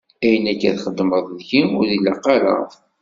Ayen akka i txedmeḍ deg-i, ur ilaq ara.